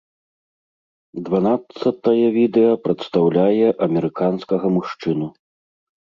Дванаццатае відэа прадстаўляе амерыканскага мужчыну.